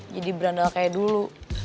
jadi berandal kayak dulu